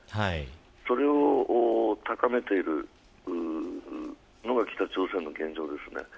それを高めているのが北朝鮮の現状です。